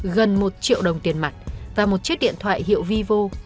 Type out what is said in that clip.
gần một triệu đồng tiền mặt và một chiếc điện thoại hiệu vivo